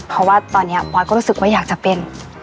เพราะว่าตอนนี้ปอยก็รู้สึกว่าอยากจะเป็น